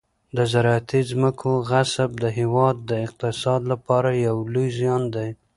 د زراعتي ځمکو غصب د هېواد د اقتصاد لپاره یو لوی زیان دی.